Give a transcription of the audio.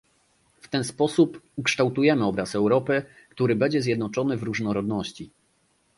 W ten sposób ukształtujemy obraz Europy, który będzie zjednoczony w różnorodności